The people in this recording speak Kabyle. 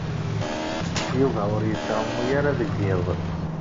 Yuba ur yettɛumu ara deg yiḍ.